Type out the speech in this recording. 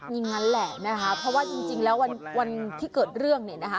อย่างนั้นแหละนะคะเพราะว่าจริงแล้ววันที่เกิดเรื่องเนี่ยนะคะ